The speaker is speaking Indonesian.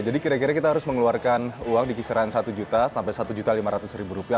jadi kira kira kita harus mengeluarkan uang di kisaran satu juta sampai satu lima ratus rupiah